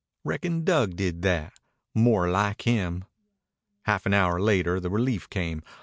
"Reckon Dug did that. More like him." Half an hour later the relief came.